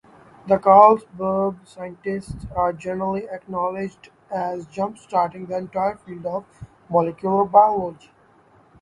The Carlsberg scientists are generally acknowledged as jump-starting the entire field of molecular biology.